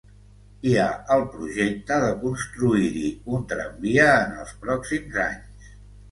Hi ha el projecte de construir-hi un tramvia en els pròxims anys.